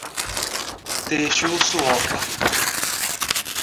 Tejuçuoca